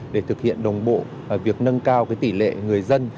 để thực hiện đồng bộ việc nâng cao tỷ lệ người dân